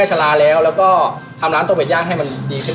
ก็เหนื่อยกายแต่ก็มีความสุข